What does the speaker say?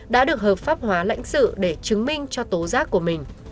đã được hợp pháp hóa lãnh sự để chứng minh cho tố giác của mình